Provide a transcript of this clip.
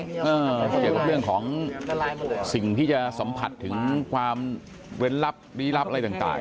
เกี่ยวกับเรื่องของสิ่งที่จะสัมผัสถึงความเว้นลับลี้ลับอะไรต่าง